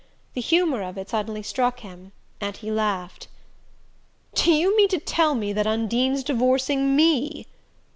The humour of it suddenly struck him and he laughed. "Do you mean to tell me that Undine's divorcing ME?"